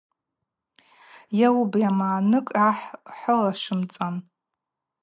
Йауыпӏ, йамынакӏ гӏахӏылашвымцӏан.